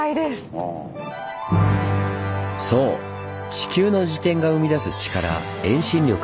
地球の自転が生み出すチカラ遠心力。